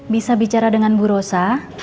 bisa bicara dengan bu rosa